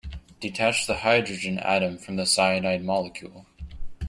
Detach the hydrogen atom from the cyanide molecule.